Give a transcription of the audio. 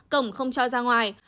cổng không cho ra ngoài